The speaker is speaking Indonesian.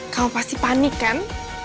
kau pasti panik kan